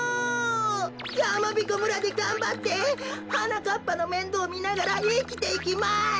やまびこ村でがんばってはなかっぱのめんどうみながらいきていきます。